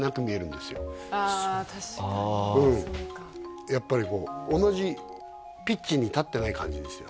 確かにそうかああやっぱりこう同じピッチに立ってない感じですよ